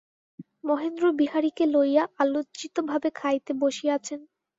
মহেন্দ্র বিহারীকে লইয়া আলজ্জিতভাবে খাইতে বসিয়াছেন।